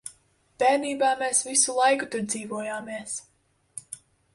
Bērnībā mēs visu laiku tur dzīvojāmies.